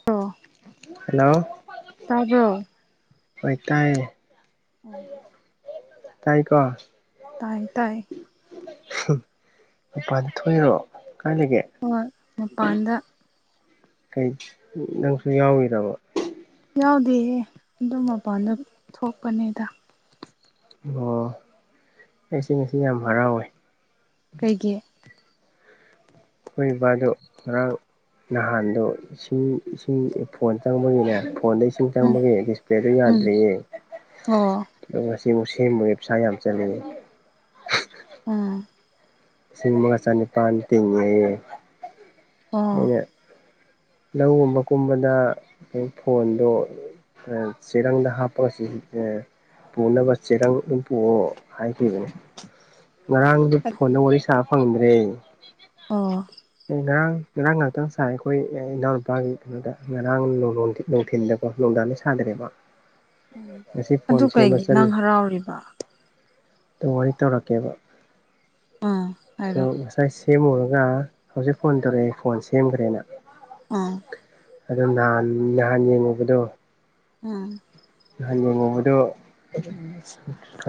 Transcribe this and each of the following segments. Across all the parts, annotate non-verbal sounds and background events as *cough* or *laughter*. *inaudible* Hello ꯇꯥꯕ꯭ꯔꯣ ꯍꯣꯏ ꯇꯥꯏꯌꯦ꯫ ꯑꯣ꯫ ꯇꯥꯏꯀꯣ꯫ ꯇꯥꯏꯌꯦ ꯇꯥꯏꯌꯦ꯫ ꯃꯄꯥꯟꯗ ꯊꯣꯛꯏꯔꯣ ꯀꯥꯏ ꯂꯩꯒꯦ꯫ ꯍꯣꯏ ꯃꯄꯥꯟꯗ꯫ ꯀꯩ ꯅꯪꯁꯨ ꯌꯥꯎꯔꯤꯔꯕ꯫ ꯌꯥꯎꯗꯦꯍ‌ꯦ ꯑꯗꯨꯝ ꯃꯄꯥꯟꯗ ꯊꯣꯛꯄꯅꯦꯗ꯫ ꯑꯣ ꯑꯩꯁꯦ ꯉꯁꯤ ꯌꯥꯝ ꯍꯔꯥꯎꯋꯦ꯫ ꯀꯩꯒꯤ꯫ ꯑꯈꯣꯏ ꯕꯥꯕꯥꯗꯨ ꯉꯔꯥꯡ ꯅꯍꯥꯟꯗꯣ ꯏꯁꯤꯡ ꯏꯁꯤꯡ ꯐꯣꯟ ꯆꯪꯕꯒꯤꯅꯦ ꯐꯣꯟꯗ ꯏꯁꯤꯡ ꯎꯝ ꯆꯪꯕꯒꯤ ꯗꯤꯁꯄꯦꯂꯦꯗꯣ ꯎꯝ ꯌꯥꯗ꯭ꯔ‌ꯦꯌꯦ ꯑꯣ ꯑꯗꯨꯒ ꯉꯁꯤꯃꯨꯛ ꯁꯦꯝꯃꯨꯔꯦ ꯄꯩꯁꯥ ꯌꯥꯝ ꯆꯠꯂ‌ꯦ꯫ ꯑꯥ꯫ ꯂꯤꯁꯤꯡ ꯑꯃꯒ ꯆꯅꯤꯄꯥꯟ ꯇꯤꯡꯉꯦ ꯑꯣ ꯑꯩꯅ ꯂꯧꯒꯨꯝꯕ ꯀꯨꯝꯕꯗ ꯐꯣꯟꯗꯣ ꯆꯔꯦꯡꯗ ꯍꯥꯞꯄ ꯁꯤꯖꯤ ꯄꯨꯅꯕ ꯆꯦꯔꯪ ꯑꯗꯨꯨꯝꯄꯣꯛꯑꯣ ꯍꯥꯏꯈꯤꯕꯅꯦ꯫ ꯉꯔꯥꯡꯗꯨ ꯐꯣꯟꯗ ꯋꯥꯔꯤ ꯁꯥꯕ ꯐꯪꯗ꯭ꯔꯦ꯫ ꯑꯣ꯫ ꯑꯩ ꯉꯔꯥꯡ ꯉꯔꯥꯡ ꯉꯥꯏꯍꯥꯛꯇꯪ ꯁꯥꯏ ꯑꯩꯈꯣꯏ ꯏꯅꯥꯎꯅꯨꯄꯥꯒꯤ ꯀꯩꯅꯣꯗ ꯉꯔꯥꯡ ꯅꯨꯡ ꯅꯨꯡꯊꯤꯟꯗ꯫ ꯅꯨꯡꯗꯥꯡꯗꯤ ꯁꯥꯅꯗꯔ‌ꯦꯕ꯫ ꯎꯝ ꯑꯗꯨ ꯀꯩꯒꯤ ꯅꯪ ꯍꯔꯥꯎꯔꯤꯕ꯫ ꯑꯗꯣ ꯋꯥꯔꯤ ꯇꯧꯔꯛꯀꯦꯕ ꯎꯝ ꯑꯗꯣ ꯍꯥꯏꯔꯣ ꯉꯁꯥꯏ ꯁꯦꯝꯃꯨꯔꯒ ꯍꯧꯖꯤꯛ ꯐꯣꯟ ꯇꯧꯔꯛꯑꯦ ꯐꯣꯟ ꯁꯦꯝꯈ꯭ꯔꯦꯅ꯫ ꯑꯥ꯫ ꯑꯗꯨ ꯅꯍꯥꯟ ꯅꯍꯥꯟ ꯌꯦꯡꯉꯨꯕꯗꯣ꯫ ꯎꯝ꯫ ꯅꯍꯥꯟ ꯌ‌ꯦꯡꯎꯕꯗꯣ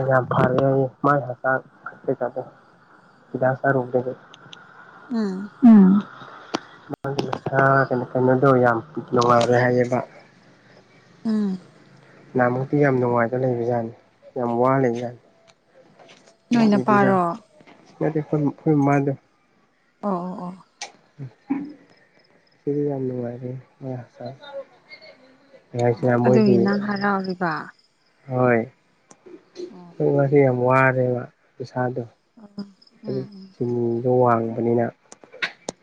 ꯌꯥꯝ ꯐꯔꯦ ꯃꯥꯏ ꯍꯆꯥꯡ ꯀꯩꯀꯥꯗ‌ꯣ꯫ ꯍꯤꯗꯥꯛ ꯆꯥꯔꯨꯕꯗꯩ ꯎꯝ꯫ ꯎꯝ ꯃꯥ ꯃꯁꯥ ꯀꯩꯅꯣ ꯀꯩꯅꯣꯗꯣ ꯌꯥꯝ ꯅꯨꯡꯉꯥꯏꯔꯦ ꯍꯥꯏꯌꯦꯕ꯫ ꯎꯝ ꯅꯍꯃꯨꯛꯇꯤ ꯌꯥꯝ ꯅꯨꯡꯉꯥꯏꯕ ꯂꯩꯕꯖꯥꯠꯅꯤ ꯌꯥꯝ ꯋꯥ ꯂꯩꯕꯖꯥꯠꯅꯤ ꯅꯣꯏ ꯉꯁꯤꯗꯤ ꯌꯥꯝ ꯅꯄꯥꯔꯣ ꯅꯠꯇꯦ ꯈ‌ꯣꯏ ꯃꯥ ꯈꯣꯏ ꯃꯥꯗꯣ ꯑꯣ ꯑꯣ ꯑꯣ ꯁꯤꯗꯤ ꯌꯥꯝꯅꯨꯡꯉꯥꯏꯔ‌ꯦ *unintelligible* ꯑꯩ ꯍꯥꯏꯁꯤꯅ ꯃꯣꯏꯒꯤ ꯕꯥ ꯍꯣꯏ ꯑꯣ ꯉꯁꯤ ꯌꯥꯝ ꯋꯥꯔꯦꯕ ꯄꯩꯁꯥꯗꯣ ꯑꯥ ꯑꯗꯨꯆꯤꯅꯤꯗꯣ ꯋꯥꯡꯕꯅꯤꯅ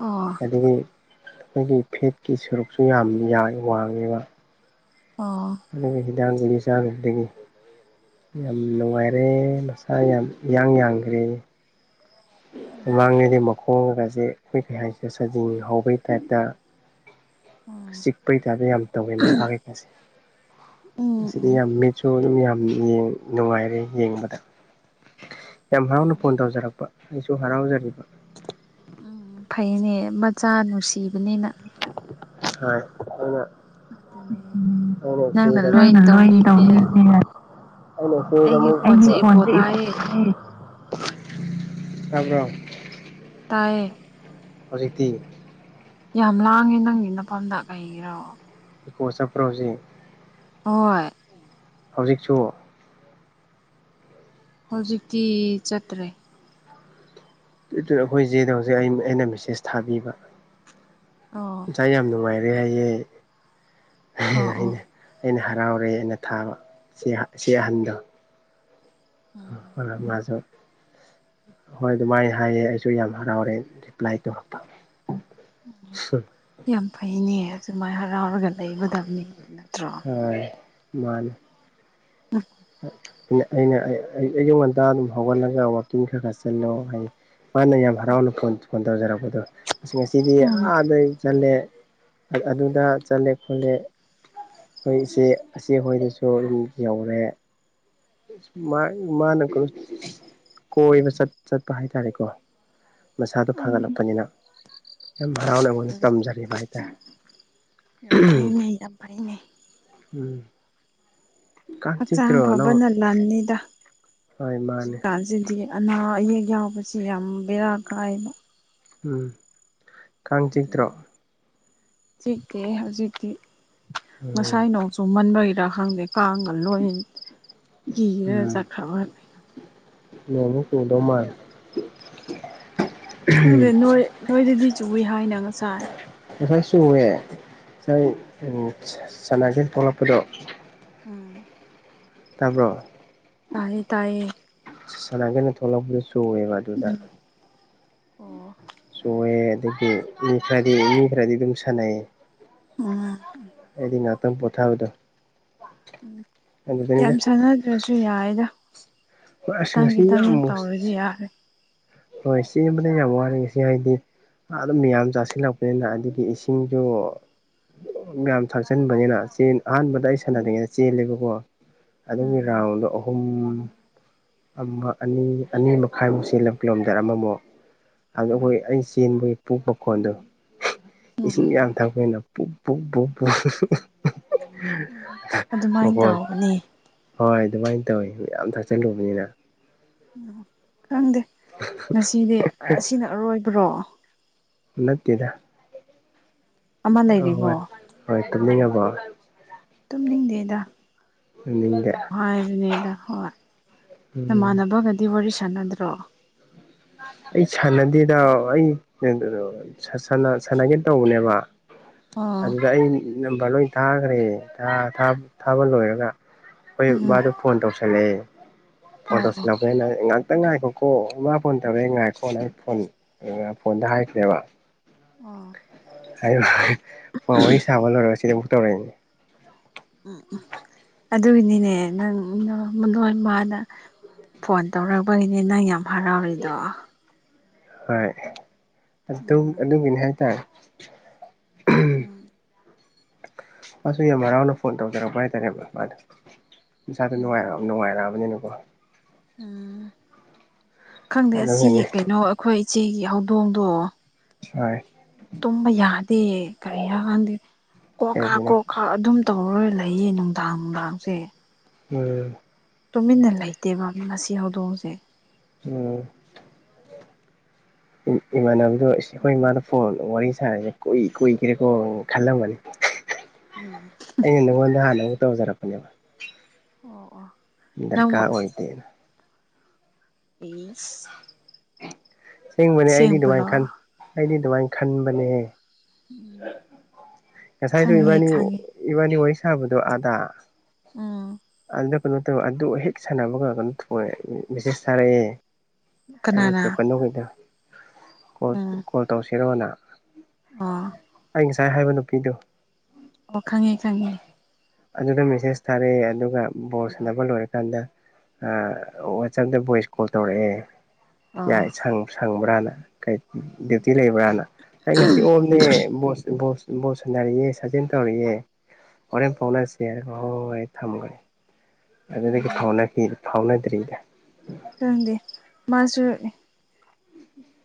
ꯑꯣ ꯑꯗꯒꯤ ꯑꯩꯈꯣꯏꯒꯤ ꯐꯦꯠꯀꯤ ꯁꯔꯨꯛꯁꯨ ꯌꯥꯝ ꯋꯥꯡꯉꯦꯕ ꯑꯣ ꯑꯗꯨꯒꯤ ꯍꯤꯗꯥꯛꯒꯨꯂꯤ ꯆꯔꯨꯕꯗꯒꯤ ꯌꯥꯝ ꯅꯨꯡꯉꯥꯏꯔꯦ ꯃꯁꯥ ꯌꯥꯝ ꯏꯌꯥꯡ ꯌꯥꯡꯈ꯭ꯔꯦ ꯑꯣ ꯃꯃꯥꯡꯉꯩꯗꯤ ꯃꯈꯣꯡꯒꯁꯦ ꯑꯩꯈꯣꯏ ꯀꯩ ꯍꯥꯏꯁꯤꯔꯥ ꯁꯖꯤꯡ ꯍꯧꯕꯩ ꯇꯥꯏꯞꯇ ꯎꯝ ꯆꯤꯛꯄꯩ ꯇꯥꯏꯞꯇꯥ ꯌꯥꯝ ꯇꯧꯋꯦ ꯃꯁꯥ ꯀꯩꯀꯥꯁꯦ ꯎꯝ ꯉꯁꯤꯗꯤ ꯎꯝ ꯌꯥꯝ ꯃꯤꯠꯁꯨ ꯑꯗꯨꯝ ꯌꯥꯝ ꯅꯨꯡꯉꯥꯏꯔꯦ ꯌꯦꯡꯕꯗ ꯌꯥꯝ ꯍꯔꯥꯎꯅ ꯎꯝ ꯐꯣꯟ ꯇꯧꯖꯔꯛꯄ ꯑꯩꯁꯨ ꯍꯔꯥꯎꯖꯔꯤꯕ ꯎꯝ ꯐꯩꯌꯦꯅꯦ ꯃꯆꯥ ꯅꯨꯡꯁꯤꯕꯅꯤꯅ ꯑꯗꯨꯅꯦ ꯍꯣꯏꯑꯗꯨꯅ ꯅꯪꯅ ꯂꯣꯏ ꯇꯧꯕꯤꯕꯅꯤꯅ *unintelligible* ꯑꯩꯒꯤ ꯑꯩ ꯐꯣꯟꯁꯦ ꯐꯣꯟ ꯏꯀꯣ ꯁꯦ ꯇꯥꯏꯌꯦ *unintelligible* ꯇꯥꯕꯔꯣ ꯇꯥꯏꯌꯦ ꯍꯧꯖꯤꯛꯇꯤ ꯌꯥꯝ ꯂꯥꯡꯉꯦ ꯅꯪꯒꯤ ꯅꯐꯝꯗ ꯀꯩꯒꯤꯔꯣ ꯏꯀꯣ ꯆꯥꯥꯠꯄꯔꯣ ꯍꯧꯖꯤꯛ ꯍꯣꯏ ꯍꯧꯖꯤꯛꯁꯨ ꯍꯧꯖꯤꯛꯇꯤ ꯆꯠꯇ꯭ꯔꯦ ꯑꯩꯈꯣꯏ ꯆꯦꯗꯣ ꯍꯧꯖꯤꯛ ꯑꯩ ꯑꯩꯅ ꯃꯦꯁꯦꯖ ꯊꯥꯕꯤꯕ ꯑꯣ ꯉꯁꯥꯏ ꯌꯥꯝ ꯅꯨꯡꯉꯥꯏꯔꯦ ꯔꯦ ꯍꯥꯏꯌꯦ ꯑꯣ ꯑꯣ ꯑꯩꯅ ꯑꯩꯅ ꯍꯔꯥꯎꯔꯦꯅ ꯊꯥꯕ ꯆꯦ ꯑꯍꯟꯗꯣ ꯎꯝ ꯃꯖꯨ ꯍꯣꯏ ꯑꯗꯨꯃꯥꯏꯅ ꯍꯥꯏꯌꯦ ꯑꯩꯁꯨ ꯌꯥꯝ ꯍꯔꯥꯎꯔꯦ ꯔꯤꯄ꯭ꯂꯥꯏ ꯇꯧꯔꯛꯄ ꯌꯥꯝ ꯐꯩꯅꯦ ꯑꯗꯨꯃꯥꯏꯅ ꯍꯔꯥꯎꯔꯒ ꯂꯩꯒꯗꯕꯅꯤ ꯅꯠꯇ꯭ꯔꯣ ꯍꯣꯏ ꯃꯥꯅꯤ ꯎꯝ ꯑꯩꯅ ꯑꯩꯅ ꯑꯌꯨꯛ ꯉꯟꯇꯥ ꯑꯗꯨꯝ ꯍꯧꯒꯠꯂꯒ ꯋꯥꯛꯀꯤꯡ ꯈꯔ ꯈꯔ ꯆꯜꯂꯣ ꯍꯥꯏꯌꯦ ꯃꯥꯅ ꯌꯥꯝ ꯎꯝ ꯍꯔꯥꯎꯅꯐꯣꯟ ꯐꯣꯟ ꯇꯧꯖꯔꯛꯄꯗꯣ ꯉꯁꯤ ꯉꯁꯤꯗꯤ ꯎꯝ ꯑꯥꯗ ꯆꯜꯂꯦ ꯑꯗꯨꯗ ꯆꯠꯂꯦ ꯈꯣꯠꯂꯦ ꯑꯩꯈꯣꯏ ꯏꯆꯦ ꯏꯆꯦ ꯍꯣꯏꯗꯁꯨ ꯑꯗꯨꯝ ꯌꯧꯔꯦ ꯃꯥ ꯃꯥꯅ ꯀꯣ ꯀꯣꯏꯕ ꯆꯠ ꯆꯠꯄ ꯍꯥꯏꯇꯥꯔꯦꯀꯣ ꯃꯁꯥꯗꯣ ꯎꯝ ꯐꯒꯠꯂꯛꯄꯅꯤꯅ ꯌꯥꯝ ꯍꯔꯥꯎꯅ ꯑꯩꯉꯣꯟꯗ ꯇꯝꯖꯔꯤꯕ ꯍꯥꯏꯇꯥꯔꯦ ꯌꯥ ꯐꯩ *unintelligible* ꯐꯩꯅꯦ ꯎꯝ ꯍꯛꯆꯥꯡ ꯐꯕꯅ ꯂꯟꯅꯤꯗ ꯍꯧꯖꯤꯛꯀꯥꯟ *unintelligible* ꯑꯅꯥ ꯑꯌꯦꯛ ꯌꯥꯎꯕꯁꯤ ꯌꯥꯝ ꯕꯦꯔꯥ ꯀꯥꯏꯕ ꯎꯝ ꯑꯗꯨꯅꯤ ꯆꯤꯛꯇꯦ ꯍꯧꯖꯤꯛꯇꯤ ꯉꯁꯥꯏ ꯅꯣꯡꯁ ꯆꯨꯝꯃꯟꯕꯒꯤꯔꯥ ꯈꯪꯗꯦ ꯀꯥꯡꯒ ꯂꯣꯏ ꯀꯤꯔ ꯆꯠꯈ꯭ꯔꯕ ꯅꯣꯡꯃꯨꯛ ꯆꯨꯗꯧ ꯃꯥꯜꯂꯤ ꯈꯪꯗꯦ ꯅꯣꯏ ꯅꯣꯏꯗꯗꯤ ꯆꯨꯏ ꯍꯥꯏꯅ ꯉꯁꯥꯏ ꯉꯁꯥꯏ ꯆꯣꯡꯑꯦ ꯉꯁꯥꯏ ꯑꯣ ꯎꯝ ꯁꯥ ꯁꯥꯟꯅꯁꯦꯅ ꯊꯣꯛꯂꯛꯄꯗꯣ ꯑꯥ ꯇꯥꯕ꯭ꯔꯣ ꯇꯥꯏꯌꯦ ꯇꯥꯏꯌꯦ ꯁꯥꯟꯅꯒꯦꯅ ꯊꯣꯛꯂꯛꯄꯗꯨ ꯆꯨꯑꯦꯕ ꯑꯗꯨꯗ ꯎꯝ ꯑꯣ ꯆꯣꯡꯑꯦ ꯑꯗꯨꯒꯤ ꯃꯤ ꯈꯔꯗꯤ ꯃꯤ ꯈꯔꯗꯤ ꯑꯗꯨꯝ ꯁꯥꯟꯅꯩꯌꯦ ꯑꯥ ꯑꯩꯗꯤ ꯅꯥꯇꯝ ꯄꯣꯊꯥꯕꯗꯣ ꯎꯝ ꯌꯥꯝ ꯁꯥꯟꯅꯗ꯭ꯔꯁꯨ ꯌꯥꯏꯗ ꯈꯤꯇꯪ ꯈꯤꯇꯪ ꯇꯧꯔꯗꯤ ꯌꯥꯔꯦ ꯍꯣꯏ ꯆꯦꯟꯕꯅ ꯌꯥꯝ ꯋꯥꯔꯦ ꯁꯤ ꯍꯥꯏꯗꯤ ꯑꯗꯨꯝ ꯌꯥꯝ ꯆꯥꯁꯤꯜꯂꯛꯄꯅꯤꯅ ꯑꯗꯒꯤ ꯏꯁꯤꯡꯁꯨ ꯃꯌꯥꯝ ꯊꯥꯛꯆꯟꯕꯅꯤꯅ ꯆꯦꯟ ꯑꯍꯥꯟꯕꯗ ꯑꯩ ꯎꯝ ꯁꯥꯟꯅ꯭ꯔꯤꯉꯩ ꯆꯦꯜꯂꯦꯕꯀꯣ ꯑꯗꯨꯒꯤ ꯎꯝ ꯔꯥꯎꯟꯗꯣ *unintelligible* ꯑꯍꯨꯝ ꯑꯃ ꯑꯅꯤ ꯑꯅꯤ ꯃꯈꯥꯏꯃꯨꯛ ꯁꯤꯜꯂꯝ ꯀꯤꯂꯣꯃꯤꯇꯔ ꯑꯃꯃꯨꯛ ꯑꯗꯨꯒ ꯎꯝ ꯑꯩ ꯆꯦꯟꯕꯩ ꯄꯨꯛ ꯃꯈꯣꯟꯜꯗꯣ ꯎꯝ ꯏꯁꯤꯡ ꯌꯥꯝ ꯊꯛꯄꯅ ꯄꯨꯛ ꯄꯨꯛ ꯄꯨꯛ ꯎꯝ ꯑꯗꯨꯃꯥꯏꯅ ꯇꯧꯕꯅꯦ ꯍꯣꯏ ꯑꯗꯨꯃꯥꯏꯅ ꯇꯧꯏ ꯃꯌꯥꯝ ꯊꯛꯆꯜꯂꯨꯕꯅꯤꯅ ꯈꯪꯗꯦ ꯉꯁꯤꯗꯤ ꯑꯁꯤꯅ ꯑꯔꯣꯏꯕꯔꯣ ꯅꯠꯇꯦꯗ ꯑꯃ ꯂꯩꯔꯤꯕꯣ *unintelligible* ꯍꯣꯏ ꯇꯨꯝꯅꯤꯡꯉꯕꯣ ꯇꯨꯝꯅꯤꯡꯗꯦꯗ ꯑꯗꯨꯝ ꯍꯥꯏꯕꯅꯦꯗ ꯍꯣꯏ ꯅꯃꯥꯟꯅꯕꯒꯗꯤ ꯋꯥꯔꯤ ꯁꯥꯟꯅꯗ꯭ꯔꯣ ꯑꯩ ꯁꯥꯟꯅꯗꯦꯗ ꯑꯩ ꯁꯥꯅ ꯁꯥꯟꯅꯒꯦ ꯇꯧꯕꯅꯦꯕ ꯑꯣ ꯑꯗꯨꯗ ꯑꯩ ꯅꯝꯕꯔ ꯂꯣꯏ ꯊꯥꯒ꯭ꯔꯦ ꯑꯥ ꯊꯥꯝ ꯊꯥꯕ ꯂꯣꯏꯔꯒ ꯍꯣꯏ ꯎꯝ ꯃꯥꯗꯨ ꯐꯣꯟ ꯇꯧꯁꯜꯂꯛꯑ‌ꯦ ꯐꯣꯟ ꯑꯣ ꯑꯣ ꯇꯧꯁꯤꯜꯂꯕꯅꯦꯅ ꯉꯥꯛ ꯈꯤꯇꯪ ꯉꯥꯏꯈꯣꯀꯣ ꯃꯥ ꯐꯣꯟ ꯇꯧꯔꯛꯑꯦ ꯉꯥꯏꯈꯣꯅ ꯑꯩ ꯐꯣꯟ ꯐꯣꯟꯗ ꯍꯥꯏꯈ꯭ꯔꯦꯕ ꯑꯣ ꯐ‌ꯣꯟ ꯋꯥꯔꯤ ꯁꯥꯕ ꯂꯣꯏꯔꯒ ꯁꯤꯗ ꯑꯃꯨꯛ ꯇꯧꯔꯛꯏꯅꯦ ꯎꯝ ꯎ ꯑꯗꯨꯒꯤꯅꯤꯅꯦ ꯅꯪ ꯅ ꯅ‌ꯣꯏ ꯃꯅ ꯐꯣꯟ ꯇꯧꯔꯛꯄꯒꯤꯅꯦ ꯅꯪ ꯌꯥꯝ ꯍꯔꯥꯎꯔꯤꯗꯣ ꯍꯣꯏ ꯑꯗꯨꯝ ꯎꯝ ꯑꯗꯨꯒꯤꯅꯤ ꯍꯥꯏꯇꯥꯏ ꯎꯝ ꯃꯥꯁꯨ ꯌꯥꯝ ꯍꯔꯥꯎꯅ ꯐꯣꯟ ꯇꯧꯖꯔꯛꯄ ꯍꯥꯏꯇꯥꯔꯦ *unintelligible* ꯏꯁꯥꯗꯨ ꯎꯝ ꯅꯨꯡꯉꯥꯏ ꯎꯝ ꯅꯨꯡꯉꯥꯏꯔꯛꯑꯕꯅꯤꯅꯀꯣ ꯎꯝ ꯈꯪꯗꯦ ꯑꯁꯤ ꯀꯩꯅꯣ ꯑꯩꯈꯣꯏ ꯏꯆꯦꯒꯤ ꯍꯧꯗꯣꯡꯗꯣ ꯍ‌ꯣꯏ ꯇꯨꯝꯕ ꯌꯥꯗꯦ ꯀꯔꯤꯔ ꯈꯪꯗ‌ꯦ ꯀꯣꯛ ꯀꯥ ꯀꯣꯛ ꯀꯥ ꯑꯗꯨꯝ ꯇꯧꯔ ꯂꯩꯌꯦ ꯅꯨꯡꯗꯥꯡ ꯅꯨꯡꯗꯥꯡꯁꯦ *unintelligible* ꯇꯨꯃꯤꯟꯅ ꯂꯩꯇꯦꯕ ꯃꯁꯤ ꯍꯧꯗꯣꯡꯁꯦ ꯎꯝ ꯏꯃꯥꯟꯅꯕꯗꯣ ꯏꯁ ꯑꯩꯈꯣꯏ ꯏꯃꯥꯗ ꯐꯣꯟ ꯋꯥꯔꯤ ꯁꯥꯔꯤꯅꯤ ꯀꯨꯏ ꯀꯨꯏꯈ꯭ꯔꯦꯀꯣ ꯈꯜꯂꯝꯕꯅꯤ ꯎꯝ ꯑꯩꯅ ꯅꯪꯉꯣꯟꯗ ꯍꯥꯟꯅ ꯑꯃꯨꯛ ꯇꯧꯖꯔꯛ ꯄꯅꯤꯕ ꯑꯣ ꯑꯣ ꯅꯪ ꯗꯔꯀꯥꯔ ꯑꯣꯏꯗꯦꯅ ꯄꯤꯁ ꯑꯁ‌ꯦꯡꯕꯅꯦ ꯑꯩꯗꯤ ꯑꯗꯨꯃꯥꯏꯅ ꯁꯦꯡꯕ꯭ꯔꯣ ꯈꯟ ꯑꯩꯗꯤ ꯑꯗꯨꯃꯥꯏꯅ ꯈꯟꯕꯅꯦ ꯎꯝ ꯉꯁꯥꯏꯗꯨ ꯈꯪꯉꯦ ꯏꯕꯥꯅꯤ ꯈꯪꯉꯦ ꯏꯕꯥꯅꯤ ꯋꯥꯔꯤ ꯁꯥꯕꯗꯨ ꯑꯥꯗꯥ ꯎꯝ ꯑꯗꯨ *unintelligible* ꯑꯗꯨ ꯍꯦꯛ ꯁꯥꯟꯅꯕ ꯂꯣꯏꯕꯒ ꯃꯦꯁꯦꯁ ꯊꯥꯔꯛꯑꯦ ꯀꯅꯥꯅ *unintelligible* ꯀꯣꯜ ꯀꯣꯜ ꯇꯧꯁꯤꯔꯣꯅ ꯑꯥ ꯑꯩ ꯉꯁꯥꯏ ꯍꯥꯏꯕ ꯅꯨꯄꯤꯗꯨ ꯑꯣ ꯈꯪꯉꯦ ꯈꯪꯉꯦ ꯑꯗꯨꯗ ꯃꯦꯁꯦꯁ ꯊꯥꯔꯛꯑꯦ ꯑꯗꯨꯒ ꯕꯣꯜ ꯁꯥꯟꯅꯕ ꯂꯣꯏꯔꯀꯥꯟꯗ ꯑ ꯋꯥꯆꯞꯇ ꯚꯣꯏꯁ ꯀꯣꯜ ꯇꯧꯔꯛꯑꯦ ꯌꯥꯏ ꯑꯣ ꯁꯪ ꯁꯪꯕ꯭ꯔꯥꯅ ꯀꯩ ꯗ꯭ꯌꯨꯇꯤ ꯂꯩꯕ꯭ꯔꯥꯅ ꯑꯩ ꯉꯁꯤ ꯑ‌ꯣꯐꯅ‌ꯦ ꯕ‌ꯣꯁ ꯕ‌ꯣꯁ ꯕ‌ꯣꯜ ꯁꯥꯟꯅꯔꯤꯑꯦ ꯁꯥꯖꯤꯟ ꯇꯧꯔꯤꯑꯦ ꯍꯣꯔꯦꯟ ꯐꯥꯎꯅꯁꯦ ꯍꯣꯏ ꯍ‌ꯣꯏ ꯊꯝꯈ꯭ꯔꯦ ꯑꯗꯨꯗꯒꯤ ꯐꯥꯎꯅ ꯐꯥꯎꯅꯗ꯭ꯔꯤꯗ ꯈꯪꯗ‌ꯦ ꯃꯥꯁꯨ *unintelligible*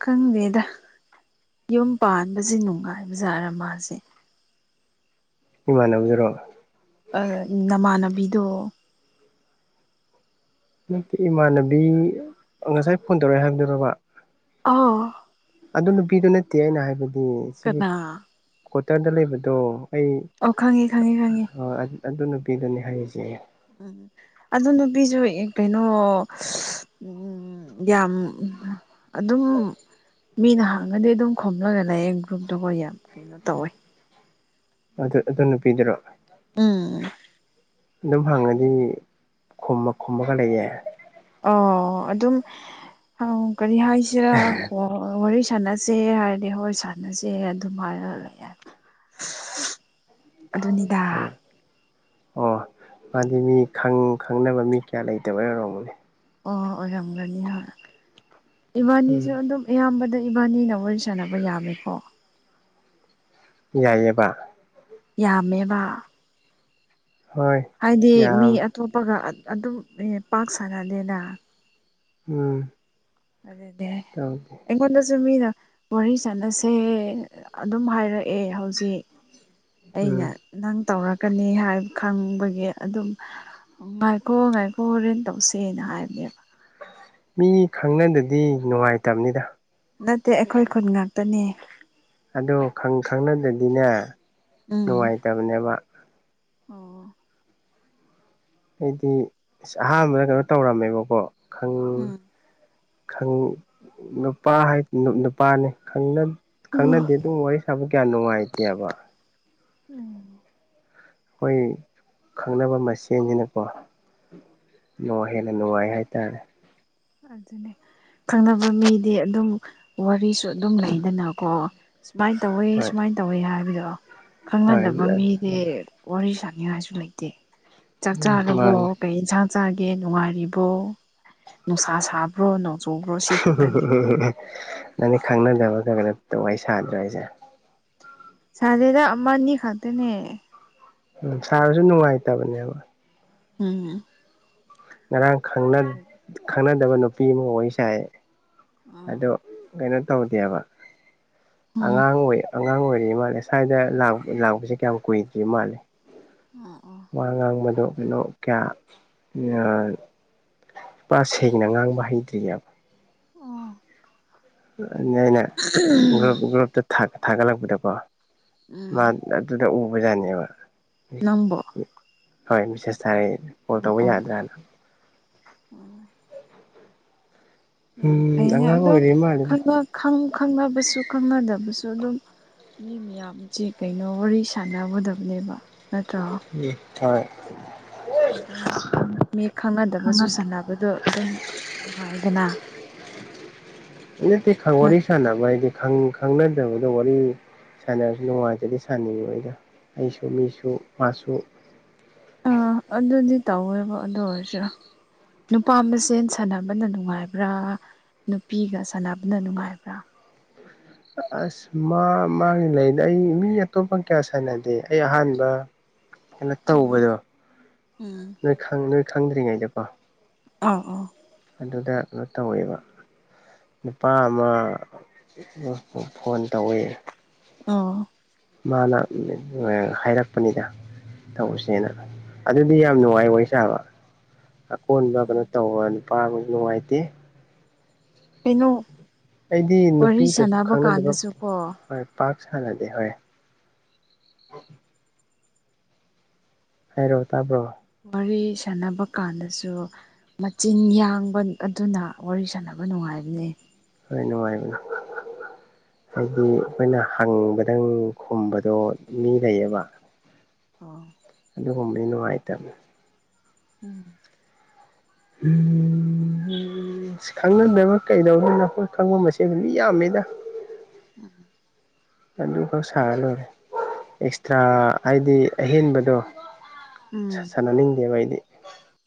ꯈꯪꯗꯦꯗ ꯌꯨꯝ ꯄꯥꯟꯕꯖꯤ ꯅꯨꯡꯉꯥꯏꯕ ꯖꯥꯠꯔ ꯃꯥꯖꯦ ꯏꯃꯥꯟꯅꯕꯗꯨꯔꯣ ꯑ ꯅꯃꯥꯟꯅꯕꯤꯗꯣ ꯅꯠꯇꯦ ꯏꯃꯥꯟꯅꯕꯤ ꯑ ꯉꯁꯥꯏ ꯐꯣꯟ ꯇꯧꯔꯛꯑꯦ ꯍꯥꯏꯕꯗꯨꯔꯣꯕ꯫ ꯑꯥ ꯑꯗꯨ ꯅꯨꯄꯤꯗꯨ ꯅꯠꯇꯦ ꯑꯩꯅ ꯍꯥꯏꯕꯗꯤ ꯁꯤꯒꯤ ꯀꯅꯥ ꯀ꯭ꯋꯥꯇꯔꯗ ꯂꯩꯕꯗꯣ ꯑꯩ ꯑꯣ ꯈꯪꯉꯦ ꯈꯪꯉꯦ ꯈꯪꯉꯦ ꯑ ꯑꯗꯨ ꯅꯨꯄꯤꯗꯨꯅꯤ ꯍꯥꯏꯔꯤꯖꯦ ꯎꯝ ꯑꯗꯨ ꯅꯨꯄꯤꯖꯨ ꯑꯦ ꯀꯩꯅꯣ ꯌꯥꯝ ꯑꯗꯨꯝ ꯃꯤꯅ ꯍꯥꯡꯉꯗꯤ ꯑꯗꯨꯝ ꯈꯨꯝꯂꯒ ꯂꯩꯌꯦ ꯒ꯭ꯔꯨꯞꯇꯨꯕꯨ ꯌꯥꯝ ꯀꯩꯅꯣ ꯇꯧꯋꯦ ꯑꯗꯨ ꯑꯗꯨ ꯅꯨꯄꯤꯗꯨꯔꯣ ꯎꯝ ꯑꯗꯨꯝ ꯍꯪꯑꯗꯤ ꯈꯨꯝꯃ ꯈꯨꯝꯃ ꯀ ꯂꯩꯌꯦ꯫ ꯑꯧ ꯑꯗꯨꯝ ꯑꯧ ꯀꯔꯤ ꯍꯥꯏꯁꯤꯔꯥ ꯀꯣ ꯑꯣ ꯋꯥꯔꯤ ꯁꯥꯟꯅꯁꯦ ꯍꯥꯏꯔꯗꯤ ꯍꯣꯏ ꯁꯥꯟꯅꯁꯦ ꯑꯗꯨꯝ ꯍꯥꯏꯔ ꯂꯩ ꯌꯥ ꯑꯗꯨꯅꯤꯗ *unintelligible* ꯑꯣ ꯃꯥꯗꯤ ꯃꯤ ꯈꯪ ꯈꯪꯅꯕ ꯃꯤ ꯀꯌꯥ ꯂꯩꯇꯕꯩ ꯑꯣꯏꯔꯝꯒꯅꯤ ꯑꯣ ꯑꯣꯏꯔꯝꯒꯅꯤ ꯍꯣꯏ ꯏꯕꯥꯅꯤꯁꯨ ꯑꯗꯨꯝ ꯑꯌꯥꯝꯕꯗ ꯏꯕꯥꯅꯤꯅ ꯋꯥꯔꯤ ꯁꯥꯟꯅꯕ ꯌꯥꯝꯃꯦꯀꯣ꯫ ꯌꯥꯏꯌꯦꯕ ꯌꯥꯝꯃꯦꯕ ꯍꯣꯏ ꯍꯥꯏꯗꯤ ꯃꯤ ꯑꯇꯣꯞꯄꯒ ꯑꯗꯨꯝ ꯄꯥꯛ ꯁꯅꯗꯦꯅ ꯎꯝ ꯑꯗꯨꯗꯤ ꯇꯧꯗꯦ ꯑꯩꯉꯣꯟꯗꯁꯨ ꯃꯤꯅ ꯋꯥꯔꯤ ꯁꯥꯟꯅꯁꯦ ꯑꯗꯨꯝ ꯍꯥꯏꯔꯛꯑꯦ ꯍꯧꯖꯤꯛ꯫ ꯑꯩꯅ ꯅꯪ ꯇꯧꯔꯛꯀꯅꯤ ꯍꯥꯏ ꯈꯪꯕꯒꯤ ꯑꯗꯨꯝ ꯉꯥꯏꯈꯣ ꯉꯥꯏꯈꯣ ꯍꯣꯔꯦꯟ ꯇꯧꯁꯦꯅ ꯍꯥꯏꯕꯅꯦꯕ ꯃꯤ ꯈꯪꯅꯗꯗꯤ ꯅꯨꯡꯉꯥꯏꯇꯕꯅꯤꯗ ꯅꯠꯇꯦ ꯑꯩꯈꯣꯏ ꯈꯨꯟ ꯉꯥꯛꯇꯅꯦ ꯑꯗꯣ ꯈꯪ ꯈꯪꯅꯗꯗꯤꯅꯦ ꯎꯝ ꯑꯣ ꯑꯩꯗꯤ ꯏꯁ ꯑꯍꯥꯟꯕꯗ ꯀꯩꯅꯣ ꯇꯧꯔꯝꯃꯦꯕꯀꯣ ꯈꯪ ꯎꯝ ꯈꯪ ꯅꯨꯄꯥ ꯅꯨꯄꯥꯅꯤ ꯈꯪꯅ ꯎꯝ ꯈꯪꯅꯗꯦ ꯑꯗꯨꯝ ꯋꯥꯔꯤ ꯁꯥꯕꯥ ꯀꯌꯥ ꯅꯨꯡꯉꯥꯏꯇꯦ ꯍꯥꯏꯕ ꯎꯝ ꯍꯣꯏ ꯈꯪꯅꯕ ꯃꯁꯦꯟꯅꯤꯅꯀꯣ ꯅꯨꯡꯉꯥꯏ ꯍꯦꯟꯅ ꯅꯨꯡꯉꯥꯏ ꯍꯥꯏꯇꯥꯔꯦ ꯑꯗꯨꯅꯦ ꯈꯪꯅꯕ ꯃꯤꯗꯤ ꯑꯗꯨꯝ ꯋꯥꯔꯤꯁꯨ ꯑꯗꯨꯝ ꯂꯩꯗꯅꯀꯣ ꯁꯨꯃꯥꯏ ꯇꯧꯋꯦ ꯁꯨꯃꯥꯏ ꯇꯧꯋꯦ ꯍꯥꯏꯕꯗꯣ꯫ ꯈꯪꯅꯗꯕ ꯃꯤꯗꯤ ꯋꯥꯔꯤ ꯁꯅꯤꯡꯉꯥꯏꯁꯨ ꯂꯩꯇꯦ ꯆꯥꯛ ꯆꯥꯔꯕꯣ ꯀꯩ ꯏꯟꯁꯥꯡ ꯆꯥꯒꯦ ꯅꯨꯡꯉꯥꯏꯔꯤꯕꯣ ꯅꯨꯡꯁꯥ ꯁꯥꯕ꯭ꯔꯣꯅꯣ ꯆꯣꯡꯈ꯭ꯔꯣꯁꯤ ꯅꯪꯗꯤ ꯈꯪꯅꯗꯕꯗ ꯀꯩꯅꯣ ꯋꯥꯔꯤ ꯁꯥꯗ꯭ꯔꯣ ꯍꯥꯏꯁꯦ ꯁꯥꯗꯦꯗ ꯑꯃꯅꯤ ꯈꯛꯇꯅꯦ ꯎꯝ ꯁꯥꯔꯁꯨ ꯅꯨꯡꯉꯥꯏꯇꯕꯅꯦꯕ ꯎꯝ ꯉꯔꯥꯡ ꯈꯪꯅ ꯑꯗꯨ ꯈꯪꯅꯗꯕ ꯅꯨꯄꯤ ꯑꯃ ꯋꯥꯔꯤ ꯁꯥꯏꯌꯦ꯫ ꯑꯣ ꯑꯗꯣ ꯀꯩꯅꯣ ꯇꯧꯗꯦꯕ ꯎꯝ ꯑꯉꯥꯡ ꯑꯣꯏ ꯑꯉꯥꯡ ꯑꯣꯏꯔꯤ ꯃꯥꯜꯂꯦ ꯁ꯭ꯋꯥꯏꯗ ꯂꯥꯛꯄꯁꯦ ꯀꯌꯥꯝ ꯀꯨꯏꯗ꯭ꯔꯤ ꯃꯥꯜꯂꯦ *inaudible* ꯑꯣ ꯑꯣ ꯋꯥ ꯉꯥꯡꯕꯗꯣ ꯀꯩꯅꯣ ꯀꯌꯥ ꯄ ꯁꯦꯡꯅ ꯉꯥꯡꯕ ꯍꯩꯇ꯭ꯔꯤꯌꯦꯕ ꯑꯣ ꯅꯣꯏꯅ ꯒ꯭ꯔꯨꯞ ꯒ꯭ꯔꯨꯞꯇ ꯊꯥꯒꯠꯂꯛꯄꯗꯀꯣ ꯎꯝ ꯃꯥꯅ ꯑꯗꯨꯗ ꯎꯕꯖꯥꯠꯅꯦꯕ ꯅꯪꯕꯣ ꯍꯣꯏ ꯃꯤꯁꯦꯁ ꯊꯥꯏꯌꯦ ꯀꯣꯜ ꯑꯣ ꯇꯧꯕ ꯑꯣ ꯌꯥꯗ꯭ꯔꯦ ꯍꯥꯏꯅ ꯑꯣ ꯌꯥꯝ ꯐꯩꯅꯦ ꯑꯗꯨꯝ ꯈꯪꯅꯕꯁꯨ ꯈꯪꯅꯗꯕꯁꯨ ꯑꯗꯨꯝ ꯃꯤ ꯃꯌꯥꯝꯁꯦ ꯀꯩꯅꯣ ꯋꯥꯔꯤ ꯁꯥꯟꯅꯒꯗꯕꯅꯦꯕ ꯅꯠꯇ꯭ꯔꯣ UNINTELLIGIBLE ꯑꯗꯨꯝ ꯃꯤ ꯈꯪꯉ ꯈꯪꯅꯗꯕꯁꯨ ꯁꯥꯟꯅꯕꯗꯣ ꯑꯗꯨꯝ ꯅꯨꯡꯉꯥꯏꯗꯅ ꯅꯠꯇꯦ ꯈꯪ ꯋꯥꯔꯤ ꯁꯥꯟꯅꯕ ꯍꯥꯏꯗꯤ ꯈꯪꯅꯗꯕꯗ ꯋꯥꯔꯤ ꯁꯥꯟꯅꯔꯖꯨ ꯅꯨꯡꯉꯥꯏꯇ꯭ꯔꯗꯤ ꯁꯅꯤꯡꯉꯛꯑꯣꯏꯗ ꯑꯩꯁꯨ ꯃꯤꯁꯨ ꯃꯥꯁꯨ ꯑꯥ ꯑꯗꯨꯗꯤ ꯇꯧꯋꯦꯕ ꯑꯗꯨ ꯑꯣꯏꯔꯁꯨ ꯅꯨꯄꯥ ꯃꯁꯦꯟ ꯁꯥꯟꯅꯕꯅ ꯅꯨꯡꯉꯥꯏꯕ꯭ꯔꯥ ꯅꯨꯄꯤꯒ ꯁꯥꯟꯅꯕꯅ ꯅꯨꯡꯉꯥꯏꯕ꯭ꯔꯥ ꯑꯥꯑꯁ ꯃꯥ ꯃꯥꯒꯤ ꯂꯩꯗ ꯑꯩ ꯃꯤ ꯑꯇꯣꯞꯄ ꯀꯌꯥ ꯁꯥꯟꯅꯗꯦ ꯑꯩ ꯑꯍꯥꯟꯕ ꯀꯩꯅꯣ ꯇꯧꯕꯗꯣ ꯅꯣꯏ ꯈꯪ ꯅꯣꯏ ꯈꯪꯗ꯭ꯔꯤꯉꯩꯗꯀꯣ ꯑꯣ ꯑꯣ ꯑꯗꯨꯗ ꯀꯩꯅꯣ ꯇꯧꯋꯦꯕ ꯅꯨꯄꯥ ꯑꯃ ꯎꯪꯎꯪ ꯐꯣꯟ ꯇꯧꯋꯦ ꯑꯣꯑꯣ ꯃꯥꯅ ꯑꯗꯨꯝ ꯉꯥꯏꯔꯣꯅ ꯍꯥꯏꯔꯛꯄꯅꯤꯗ ꯇꯧꯁꯦꯅ ꯑꯥ ꯗꯨꯗꯤ ꯌꯥꯝ ꯅꯨꯡꯉꯥꯏ ꯋꯥꯔꯤ ꯁꯥꯕ ꯑꯀꯣꯟꯕ ꯀꯩꯅꯣ ꯇꯧꯕ ꯅꯨꯄꯥꯕꯨꯖꯨ ꯅꯨꯡꯉꯥꯏꯇꯦ ꯀꯩꯅꯣ ꯑꯩꯗꯤ ꯋꯥꯔꯤ ꯅꯨꯄꯤꯒꯁꯨ ꯁꯥꯟꯅꯕ ꯈꯪꯅꯗꯕ ꯀꯥꯟꯗꯁꯨ ꯀꯣ ꯍꯣꯏ ꯄꯥꯛ ꯁꯥꯟꯅꯗꯦ ꯍꯣꯏ ꯍꯥꯏꯔꯣ ꯇꯥꯕ꯭ꯔꯣ ꯋꯥꯔꯤ ꯁꯥꯟꯅꯕ ꯀꯥꯟꯗꯁꯨ ꯃꯆꯤꯟ ꯌꯥꯡꯕ ꯑꯗꯨꯅ ꯋꯥꯔꯤ ꯁꯥꯟꯅꯕ ꯅꯨꯡꯉꯥꯏꯕꯅꯦ ꯍꯣꯏ ꯅꯨꯡꯉꯥꯏꯕꯅꯦ ꯑꯗꯨ ꯑꯩꯅꯥ ꯍꯪꯕꯗꯪ ꯈꯨꯝꯕꯗꯣ ꯃꯤ ꯂꯩꯌꯦꯕ ꯑꯣ ꯑꯗꯨꯒꯨꯝꯕꯗꯤ ꯅꯨꯡꯉꯥꯏꯇꯕꯅꯤ ꯎꯝ INAUDIBLE ꯑꯥꯁ ꯈꯪꯅꯅꯕ ꯀꯩꯅꯣꯃ ꯑꯩꯈꯣꯏ ꯈꯪꯕ ꯃꯁꯦꯟ ꯃꯤ ꯌꯥꯝꯃꯦꯗꯥ ꯎꯪꯩꯎꯪ ꯑꯗꯨꯈꯛ ꯁꯥꯔ ꯂꯣꯏꯔꯦ ꯑꯦꯛꯁꯇ꯭ꯔꯥ ꯍꯥꯏꯗꯤ ꯑꯍꯦꯟꯕꯗꯣ ꯎꯝ ꯁꯥꯟꯅꯅꯤꯡꯗꯦꯕ ꯑꯩꯗꯤ